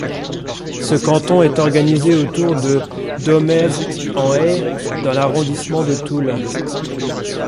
Ce canton est organisé autour de Domèvre-en-Haye dans l'arrondissement de Toul.